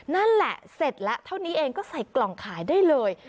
นั่นแหละเสร็จแล้วเท่านี้เองก็ใส่กล่องขายได้เลย